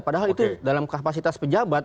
padahal itu dalam kapasitas pejabat